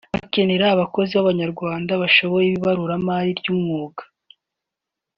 bikenera abakozi b’Abanyarwanda bashoboye ibaruramari ry’umwuga